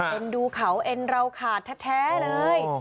เอ็นดูเขาเอ็นเราค่ะแท้เลย